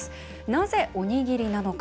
なぜ、おにぎりなのか。